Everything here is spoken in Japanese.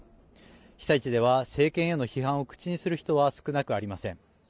被災地では政権への批判を口にする人は少なくありません。